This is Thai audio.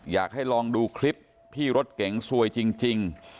อยากให้ลองดูคลิปพี่รถเก๋งซวยจริง